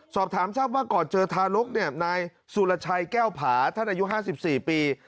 สอบถามทราบว่าก่อเจอทารกแก้วผาท่านอายุ๕๔ปี